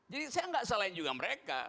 jadi saya enggak salahin juga mereka